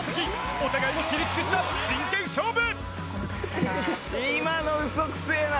お互いを知り尽くした真剣勝負。